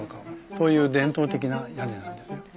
そういう伝統的な屋根なんですよ。